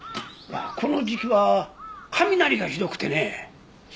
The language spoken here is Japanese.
この時期は雷がひどくてね。